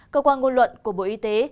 cơ quan ngôn luận của bộ y tế